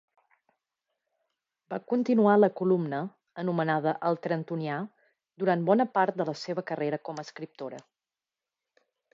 Va continuar la columna, anomenada "El Trentonià", durant bona part de la seva carrera com a escriptora.